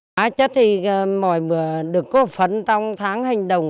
đàn lợn thì mọi người được có phấn trong tháng hành động